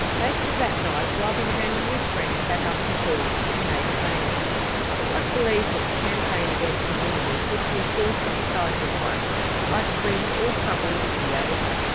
Most of that night Wabi and his friend sat up and talked, and made plans. It was believed that the campaign against the Woongas would be a short and decisive one. By spring all trouble would be over.